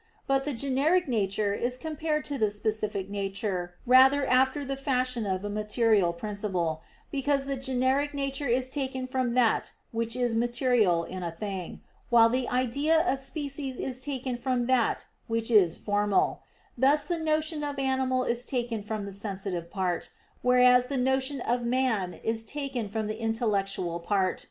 But the generic nature is compared to the specific nature rather after the fashion of a material principle, because the generic nature is taken from that which is material in a thing, while the idea of species is taken from that which is formal: thus the notion of animal is taken from the sensitive part, whereas the notion of man is taken from the intellectual part.